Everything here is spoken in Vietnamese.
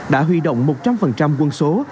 đã huy động một trăm linh quân số